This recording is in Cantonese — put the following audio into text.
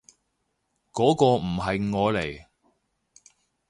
嗰個唔係我嚟